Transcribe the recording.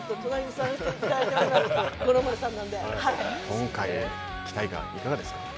今回期待感いかがですか？